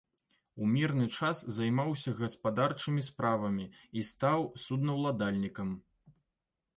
У мірны час займаўся гаспадарчымі справамі і стаў суднаўладальнікам.